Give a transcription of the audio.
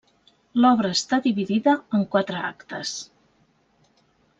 L'obra està dividida en quatre actes.